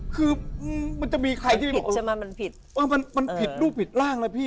คือมันจะมีใครที่บอกว่ามันผิดรูปผิดร่างนะพี่